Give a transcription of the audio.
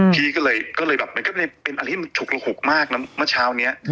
มันก็เลยเป็นอะไรที่ฉุกละหุกมากนะเมื่อเช้านี้